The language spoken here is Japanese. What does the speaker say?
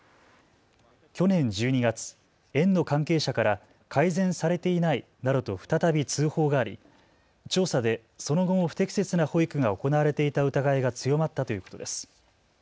去年１２月、園の関係者から改善されていないなどと再び通報があり調査でその後も不適切な保育が行われていた疑いが強まったということです。